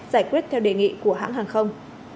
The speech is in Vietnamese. giải quyết theo đề nghị của hãng hàng không